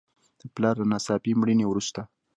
د پلار له ناڅاپي مړینې وروسته.